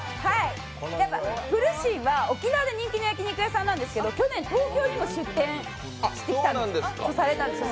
やっぱプルシンは沖縄で人気の焼肉屋さんなんですけど去年、東京にも出店されたんですよ。